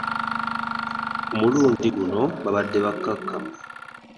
Ku mulundi guno babadde bakkakkamu.